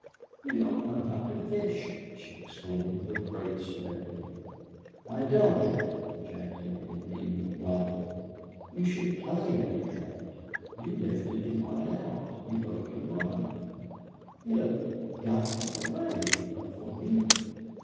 "You don't know how to fish!" she exclaimed, with great severity. "I don't, eh?" ejaculated Neale, blankly. "You should play a big trout. You lifted him right out. He broke your line. He'd have gotten away but for me."